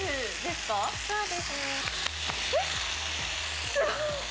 すごい。